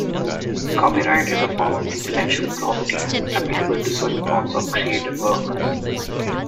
Copyright is a form of intellectual property, applicable to certain forms of creative work.